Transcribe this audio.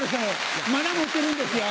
まだ持ってるんですよ